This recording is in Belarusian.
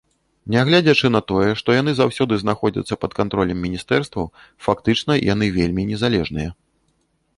Нягледзячы на тое, што яны заўсёды знаходзяцца пад кантролем міністэрстваў, фактычна яны вельмі незалежныя.